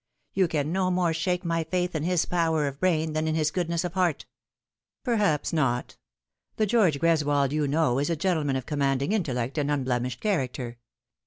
You can no more shake my faith in his power of brain than in his good ness of heart." " Perhaps not. The George Greswold you know is a gentle man of commanding intellect and unbiemished character.